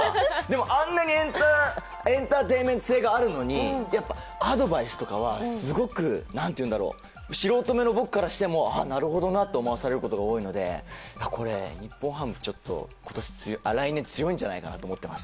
あんなにエンターテインメント性があるのにやっぱアドバイスとかはすごく、素人目の僕からしてもああなるほどなと思わされることが多いのでこれ、日本ハム、来年強いんじゃないかなと思ってます。